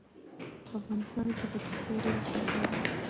په افغانستان کې پکتیکا ډېر اهمیت لري.